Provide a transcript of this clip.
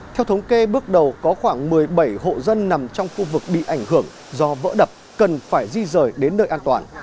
theo thống kê bước đầu có khoảng một mươi bảy hộ dân nằm trong khu vực bị ảnh hưởng do vỡ đập cần phải di rời đến nơi an toàn